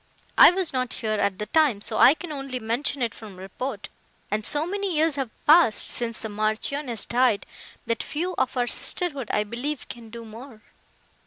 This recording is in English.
I was not here at the time, so I can only mention it from report, and so many years have passed since the Marchioness died, that few of our sisterhood, I believe, can do more."